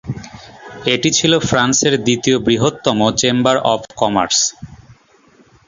এটি ছিল ফ্রান্সের দ্বিতীয় বৃহত্তম চেম্বার অব কমার্স।